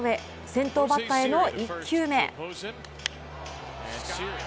先頭バッターへの１球目。